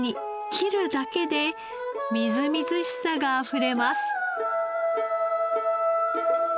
切るだけでみずみずしさがあふれます。